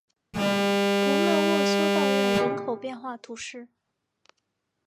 博纳沃修道院人口变化图示